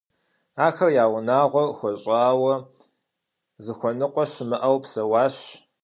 Ахэр я унагъуэр хуэщӀауэ, зыхуэныкъуэ щымыӀэу псэуащ.